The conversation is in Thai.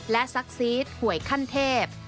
และซักซีดหวยขั้นเทพ